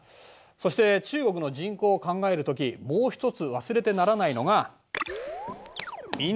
そして中国の人口を考えるときもう一つ忘れてならないのが民族の問題だ。